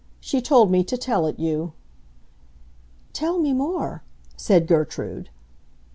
She told me to tell it you." "Tell me more," said Gertrude.